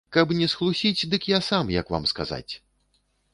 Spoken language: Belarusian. Каб не схлусіць, дык я сам, як вам сказаць!